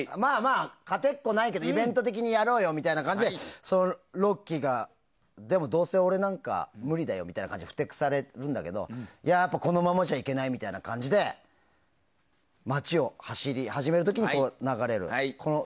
勝てっこないけどイベント的にやろうよみたいな感じでロッキーがどうせ俺なんか無理だよみたいにふてくされるんだけどこのままじゃいけないみたいな感じで街を走り始める時に流れる。